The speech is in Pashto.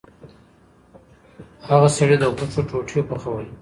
هغه سړي د غوښو ټوټې پخولې.